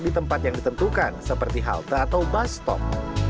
di tempat yang ditentukan seperti halte atau bus stop